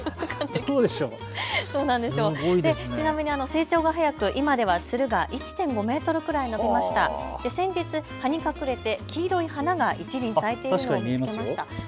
成長が早く今ではつるが１．５メートルくらい伸びました、先日葉に隠れて黄色い花が一輪咲いているのを見つけました。